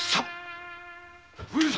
上様‼